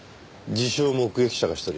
自称目撃者が１人。